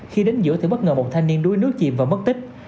khi đến giữa thì bất ngờ một thanh niên đuối nước chìm và mất tích